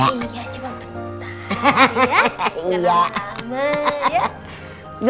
gak lama lama ya